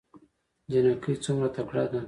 جينکۍ څومره تکړه دي